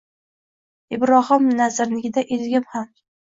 Ibrohim Nazirnikida etigim ham.